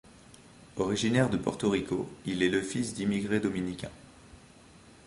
Originaire de Porto Rico, il est le fils d'immigrés dominicains.